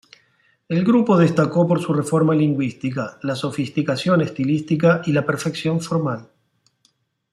El grupo destacó por su reforma lingüística, la sofisticación estilística y la perfección formal.